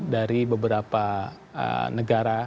dari beberapa negara